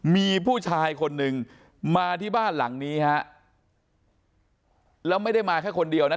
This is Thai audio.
มีผู้ชายคนนึงมาที่บ้านหลังนี้ฮะแล้วไม่ได้มาแค่คนเดียวนะ